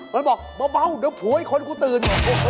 มันบอกเบาเดี๋ยวผัวอีกคนกูตื่น